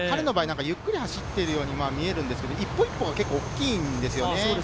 彼の場合、ゆっくり走っているように見えるんですけど、一歩一歩が結構大きいんですよね。